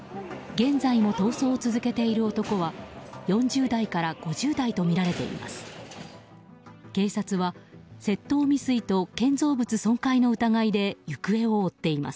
現在も逃走を続けている男は４０代から５０代とみられています。